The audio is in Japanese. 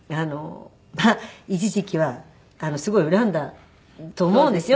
まあ一時期はすごい恨んだと思うんですよ。